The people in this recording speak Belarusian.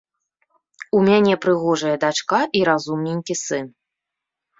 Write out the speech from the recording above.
У мяне прыгожая дачка і разумненькі сын.